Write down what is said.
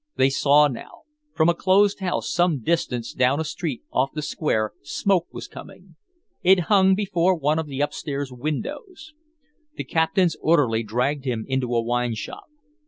They saw now. From a closed house, some distance down a street off the square, smoke was coming. It hung before one of the upstairs windows. The Captain's orderly dragged him into a wineshop.